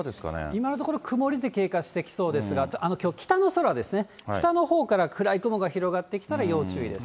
今のところ、曇りで経過していきそうですが、きょう、北の空ですね、北のほうから暗い雲が広がってきたら要注意です。